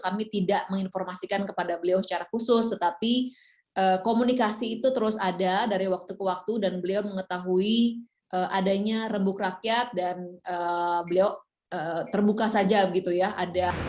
kami tidak menginformasikan kepada beliau secara khusus tetapi komunikasi itu terus ada dari waktu ke waktu dan beliau mengetahui adanya rembuk rakyat dan beliau terbuka saja gitu ya